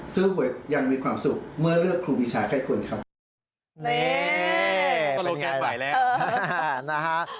ซื้อหวยยังมีความสุขเมื่อเลือกครูปีชาเข้าให้ควรครับ